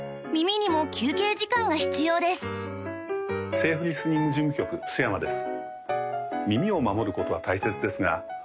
セーフリスニング事務局須山です